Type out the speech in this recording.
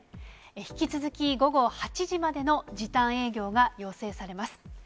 引き続き午後８時までの時短営業が要請されます。